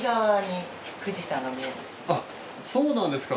あっそうなんですか！